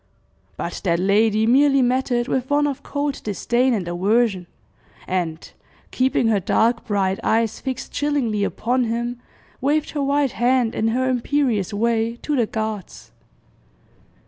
But that lady merely met it with one of cold disdain and aversion, and, keeping her dark bright eyes fixed chillingly upon him, waved her white hand, in her imperious way, to the guards.